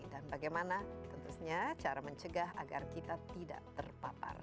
dan bagaimana tentunya cara mencegah agar kita tidak terpapar